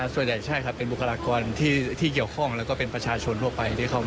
ส่วนใหญ่ใช่ครับเป็นบุคลากรที่เกี่ยวข้องแล้วก็เป็นประชาชนทั่วไปที่เข้ามา